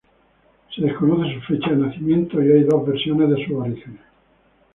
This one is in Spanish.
Se desconoce su fecha de nacimiento y hay dos versiones de sus orígenes.